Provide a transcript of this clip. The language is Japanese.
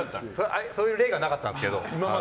そういう例がなかったんですけど。